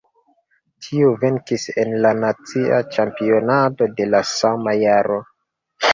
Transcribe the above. Tiu venkis en la nacia ĉampionado de la sama jaro.